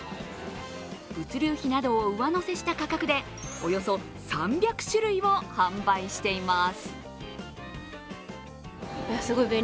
物流費などを上乗せした価格でおよそ３００種類を販売しています。